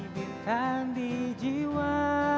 bintang di jiwa